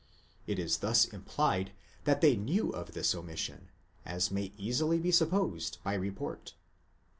It is thus implied that they knew of this omission, as may easily be supposed, by report.